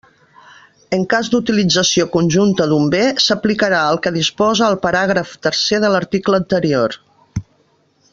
En cas d'utilització conjunta d'un bé, s'aplicarà el que disposa el paràgraf tercer de l'article anterior.